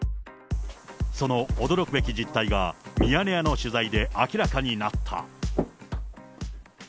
その驚くべき実態が、ミヤネ屋の取材で明らかになった。